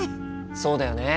そうだよね。